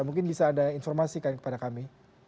mungkin bisa ada informasi kepada kami